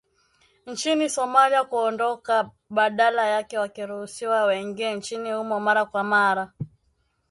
nchini Somalia kuondoka badala yake wakiruhusiwa waingie nchini humo mara kwa mara